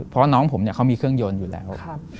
เพราะน้องผมเนี่ยเขามีเครื่องยนต์อยู่แล้ว